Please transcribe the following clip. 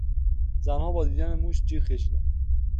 زنها با دیدن موش جیغ کشیدند.